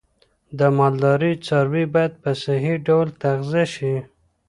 د مالدارۍ څاروی باید په صحی ډول تغذیه شي.